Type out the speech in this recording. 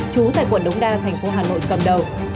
trú tại quận đống đa thành phố hà nội cầm đầu